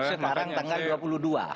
semarang tanggal dua puluh dua